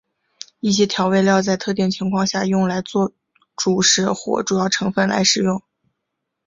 一些调味料在特定情况下用来作主食或主要成分来食用。